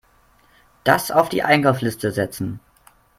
Das auf die Einkaufsliste setzen.